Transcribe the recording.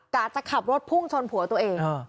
จะขับรถพุ่งชนผัวตัวเอง